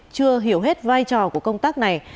chưa hiểu hết vai trò của công tác này